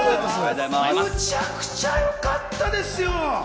むちゃくちゃよかったですよ！